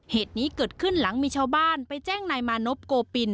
เหตุนี้เกิดขึ้นหลังมีชาวบ้านไปแจ้งนายมานพโกปิน